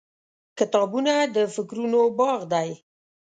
• کتابونه د فکرونو باغ دی.